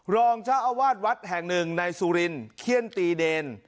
รองเจ้าอาวาสวัดแห่งหนึ่งในสุรินเขี้ยนตีเดน